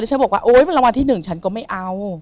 ฉันบอกว่าโอ๊ยมันรางวัลที่๑ฉันก็ไม่เอา